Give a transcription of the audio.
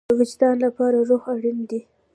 د وجدان لپاره روح اړین دی